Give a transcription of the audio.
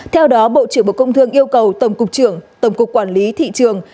theo đó bộ trưởng bộ công thương yêu cầu tổng cục trưởng tổng cục quản lý thị trường